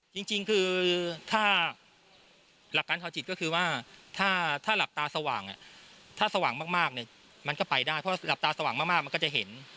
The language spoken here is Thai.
จริงคือถ้าหลักการทางจิตก็คือว่าถ้าหลับตาสว่างถ้าสว่างมากเนี่ยมันก็ไปได้เพราะหลับตาสว่างมากมันก็จะเห็น